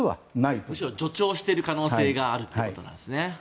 むしろ助長している可能性があるということなんですね。